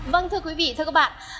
vâng thưa quý vị thưa các bạn